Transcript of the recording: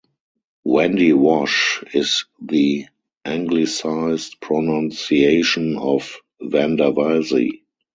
Wandiwash is the Anglicised pronunciation of Vandavasi.